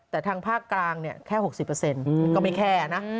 แต่ทางภาคกลางแค่๖๐ก็ไม่แค่นะ